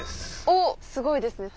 おっすごいですね。